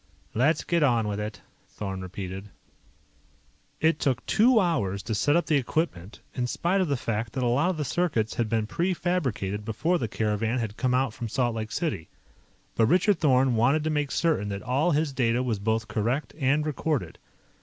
"Let's get on with it," Thorn repeated. It took two hours to set up the equipment, in spite of the fact that a lot of the circuits had been prefabricated before the caravan had come out from Salt Lake City. But Richard Thorn wanted to make certain that all his data was both correct and recorded.